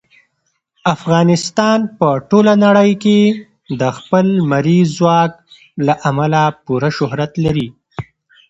افغانستان په ټوله نړۍ کې د خپل لمریز ځواک له امله پوره شهرت لري.